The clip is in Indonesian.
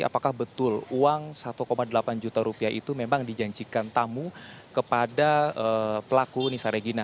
apakah betul uang satu delapan juta rupiah itu memang dijanjikan tamu kepada pelaku nisa regina